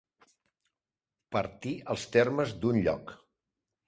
Partir els termes d'un lloc.